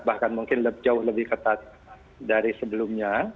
bahkan mungkin jauh lebih ketat dari sebelumnya